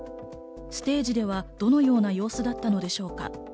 ステージではどのような様子だったのでしょうか。